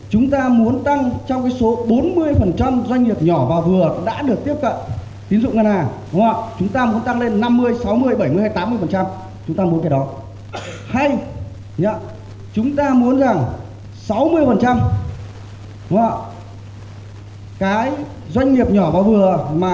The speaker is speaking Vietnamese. họ được tiếp cận tín dụng nhỏ và vừa